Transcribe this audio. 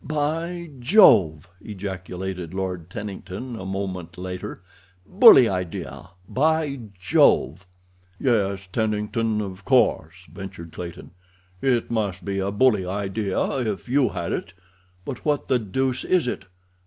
"By Jove!" ejaculated Lord Tennington, a moment later. "Bully idea, by Jove!" "Yes, Tennington, of course," ventured Clayton; "it must be a bully idea if you had it, but what the deuce is it?